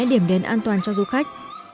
điểm đến an toàn cho du khách